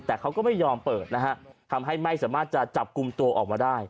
แต่เขาก็ไม่ยอมเปิดนะฮะทำให้ไม่สามารถจะจับกลุ่มตัวออกมาได้